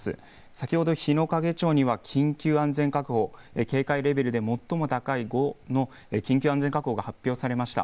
先ほど日之影町には緊急安全確保警戒レベルで最も高い５の緊急安全確保が発表されました。